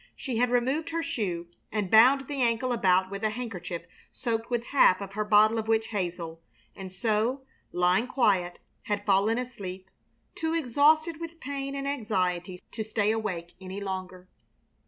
She had removed her shoe and bound the ankle about with a handkerchief soaked with half of her bottle of witch hazel, and so, lying quiet, had fallen asleep, too exhausted with pain and anxiety to stay awake any longer.